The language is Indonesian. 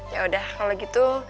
yaudah kalo gitu